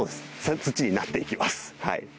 土になっていきます。